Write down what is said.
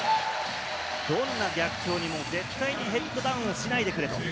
どんな逆境にも絶対にヘッドダウンしないでくれ。